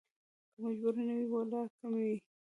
که مجبور نه وى ولا کې مې